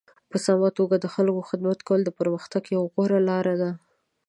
په سمه توګه د خلکو خدمت کول د پرمختګ یوه غوره لاره ده.